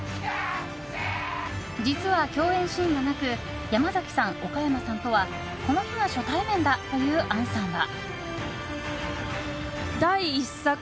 実は共演シーンがなく山崎さん、岡山さんとはこの日が初対面だという杏さんは。